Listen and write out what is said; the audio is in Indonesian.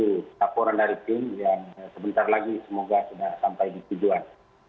ini laporan dari tim yang sebentar lagi semoga sudah sampai di tujuan